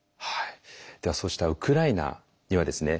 ではそうしたウクライナにはですね